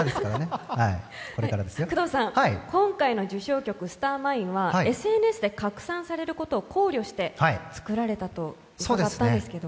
今回の受賞曲「スターマイン」はＳＮＳで拡散されることを考慮して作られたと伺ったんですけど。